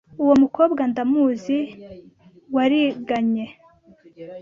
Uwo mukowa ndamuzi ywarigamye